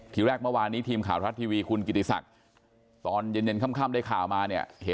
ทีแรกเมื่อวานนี้ทีมข่าวทรัฐทีวีคุณกิติศักดิ์ตอนเย็นค่ำได้ข่าวมาเนี่ย